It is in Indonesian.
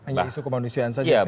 hanya isu kemanusiaan saja sebenarnya